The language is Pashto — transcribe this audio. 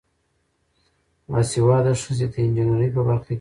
باسواده ښځې د انجینرۍ په برخه کې کار کوي.